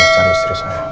saya harus cari istri saya